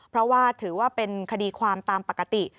เพราะว่าถือว่าเป็นคดีความตามปกติ